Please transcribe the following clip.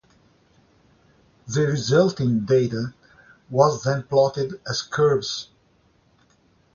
The resulting data was then plotted as curves.